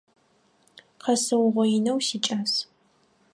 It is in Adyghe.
Къэсыугъоинэу сикӏас.